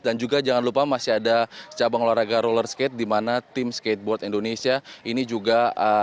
dan juga jangan lupa masih ada cabang olahraga roller skate di mana tim skateboard indonesia ini juga menargetkan dua medali emas